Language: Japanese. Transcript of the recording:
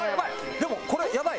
でもこれやばい！